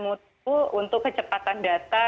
mutu untuk kecepatan data